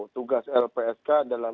tugas lpsk adalah